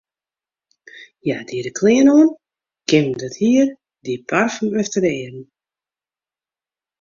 Hja die de klean oan, kjimde it hier, die parfum efter de earen.